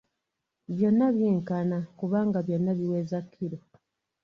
Byonna byenkana kubanga byonna biweza kkiro.